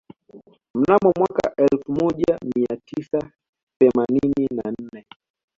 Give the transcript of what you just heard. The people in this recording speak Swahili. Mnamo mwaka elfu moja mia tisa themanini na nne